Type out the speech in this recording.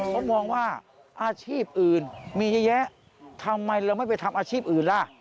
เขามองว่าอาชีพอื่นมีเยอะแยะทำไมเราไม่ไปทำอาชีพอื่นล่ะ